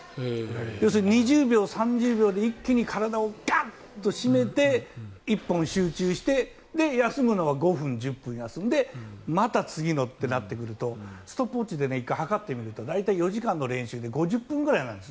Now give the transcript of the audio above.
要するに２０秒、３０秒で一気に体を締めて１本集中して休むのは５分、１０分休んでまた次のとなるとストップウォッチで１回測ってみると大体４時間の練習で５０分くらいなんです。